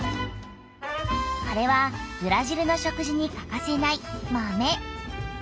これはブラジルの食事にかかせない「豆」！